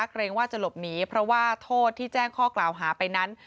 เกรงว่าจะหลบหนีเพราะว่าโทษที่แจ้งข้อกล่าวหาไปนั้น